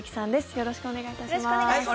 よろしくお願いします。